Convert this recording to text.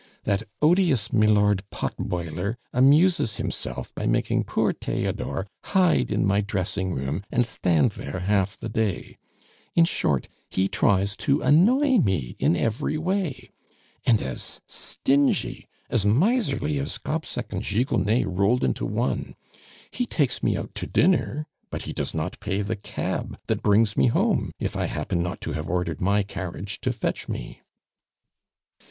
That odious Milord Potboiler amuses himself by making poor Theodore hide in my dressing room and stand there half the day. In short, he tries to annoy me in every way. And as stingy! As miserly as Gobseck and Gigonnet rolled into one. He takes me out to dinner, but he does not pay the cab that brings me home if I happen not to have ordered my carriage to fetch me."